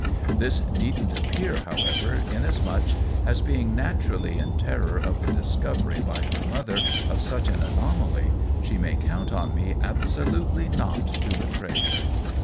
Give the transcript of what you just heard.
.;; This needn't appear, however, inasmuch as, being naturally in terror of the discovery by her mother of such an anomaly, she may count on me absolutely not to betray her.